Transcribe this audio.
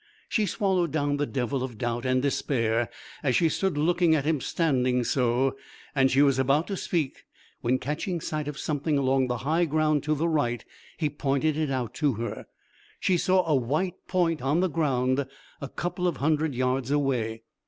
She swallowed down the devil of doubt and despair as she stood looking at him standing so, and she was about to speak when, catching sight of something along the high ground to the right he pointed it out to her. She saw a white point on the ground a couple of hundred yards away.